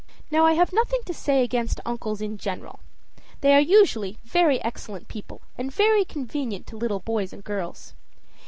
Now, I have nothing to say against uncles in general. They are usually very excellent people, and very convenient to little boys and girls.